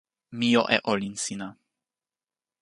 mi jo e olin sina.